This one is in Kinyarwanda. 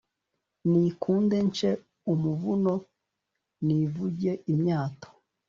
Nikunde nce umuvuno nivuge imyato